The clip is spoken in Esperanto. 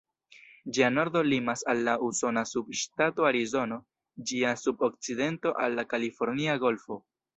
Ĝia nordo limas al la usona subŝtato Arizono, ĝia sud-okcidento al la Kalifornia Golfo.